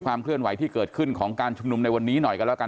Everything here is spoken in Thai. เคลื่อนไหวที่เกิดขึ้นของการชุมนุมในวันนี้หน่อยกันแล้วกัน